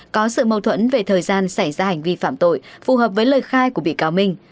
có sự mâu thuẫn về thời gian xảy ra hành vi phạm tội phù hợp với lời khai của bị cáo minh